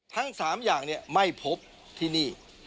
ทั้ง๓อย่างไม่พบที่นี่